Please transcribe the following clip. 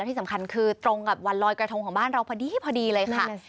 ที่สำคัญคือตรงกับวันลอยกระทงของบ้านเราพอดีพอดีเลยค่ะ